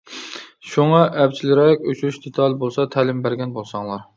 شۇڭا ئەپچىلرەك ئۆچۈرۈش دېتالى بولسا تەلىم بەرگەن بولساڭلار!